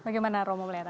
bagaimana romo melihatnya